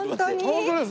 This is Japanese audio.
本当です。